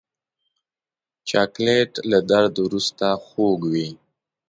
چاکلېټ له درد وروسته خوږ وي.